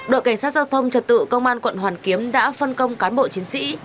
đội cảnh sát giao thông trật tự công an quận hoàn kiếm đã phân công cán bộ chiến sĩ